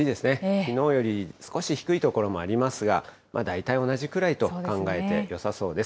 きのうより少し低い所もありますが、大体同じくらいと考えてよさそうです。